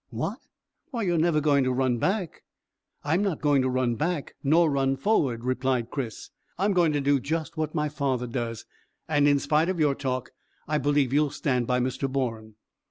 "What! Why, you're never going to run back?" "I'm not going to run back, nor run forward," replied Chris. "I'm going to do just what my father does, and in spite of your talk I believe you'll stand by Mr Bourne."